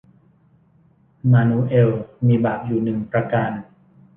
มานูเอลมีบาปอยู่หนึ่งประการ